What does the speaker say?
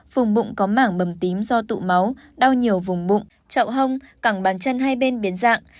vùng bụng có mảng bầm tím do tụ máu đau nhiều vùng bụng trậu hông cẳng bàn chân hay bên biến dạng